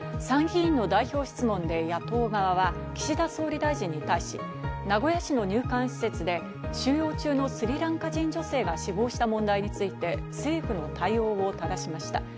参議院の代表質問で野党側は岸田総理大臣に対し、名古屋市の入管施設で収容中のスリランカ人女性が死亡した問題について、政府の対応をただしました。